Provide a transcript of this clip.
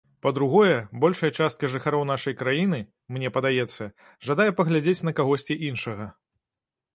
Па-другое, большая частка жыхароў нашай краіны, мне падаецца, жадае паглядзець на кагосьці іншага.